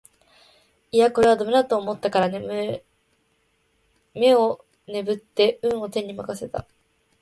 いやこれは駄目だと思ったから眼をねぶって運を天に任せていた